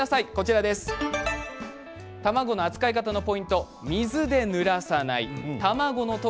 卵の扱い方のポイント